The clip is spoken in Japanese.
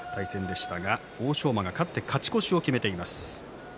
欧勝馬が勝って勝ち越しを決めています。